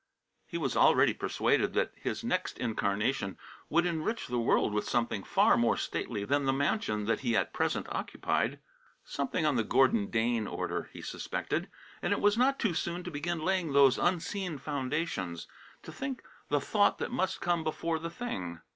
_" He was already persuaded that his next incarnation would enrich the world with something far more stately than the mansion that he at present occupied; something on the Gordon Dane order, he suspected. And it was not too soon to begin laying those unseen foundations to think the thought that must come before the thing.